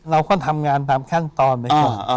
เราก็ทำงานตามขั้นตอนไปก่อน